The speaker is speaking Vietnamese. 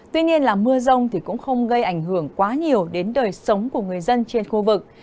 tuy nhiên là mưa rông cũng không gây ảnh hưởng quá nhiều đến đời sống của người dân trên khu vực